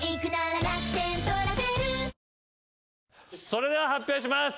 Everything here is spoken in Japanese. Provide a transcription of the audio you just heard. それでは発表します。